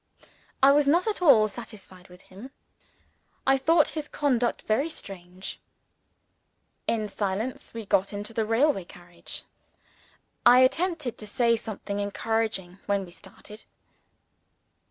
I was not at all satisfied with him. I thought his conduct very strange. In silence we took our tickets; in silence, we got into the railway carriage. I attempted to say something encouraging, when we started.